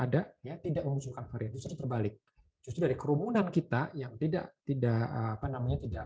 ada yang tidak mengusungkan variasi terbalik dari kerumunan kita yang tidak tidak apa namanya tidak